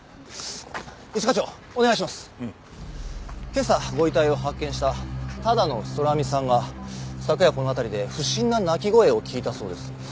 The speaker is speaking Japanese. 今朝ご遺体を発見した只野空見さんが昨夜この辺りで不審な鳴き声を聞いたそうです。